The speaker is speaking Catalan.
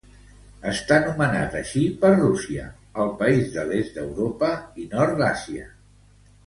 Està nomenat així per Rússia, el país de l'est d'Europa i nord d'Àsia.